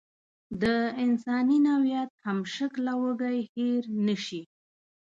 د انساني نوعیت همشکله وږی هېر نشي.